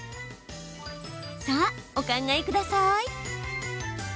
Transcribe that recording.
さあ、お考えください。